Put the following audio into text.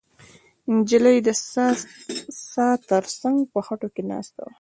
نجلۍ د څا تر څنګ په خټو کې ناسته وه.